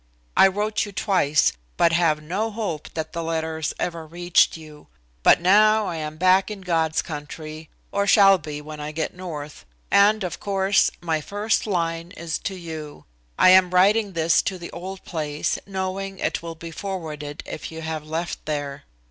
I wrote you twice, but have no hope that the letters ever reached you. But now I am back in God's country, or shall be when I get North, and of course, my first line is to you. I am writing this to the old place, knowing it will be forwarded if you have left there.